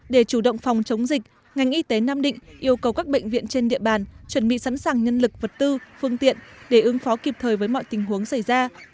để chủ động phòng chống dịch ngành y tế nam định yêu cầu các bệnh viện trên địa bàn chuẩn bị sẵn sàng nhân lực vật tư phương tiện để ứng phó kịp thời với mọi tình huống xảy ra